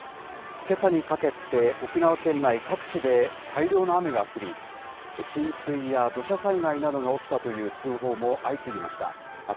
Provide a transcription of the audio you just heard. けさにかけて、沖縄県内各地で大量の雨が降り、浸水や土砂災害などが起きたという通報も相次ぎました。